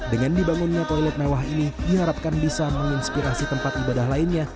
dengan dibangunnya toilet mewah ini diharapkan bisa menginspirasi tempat ibadah lainnya